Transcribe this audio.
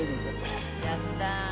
やったー！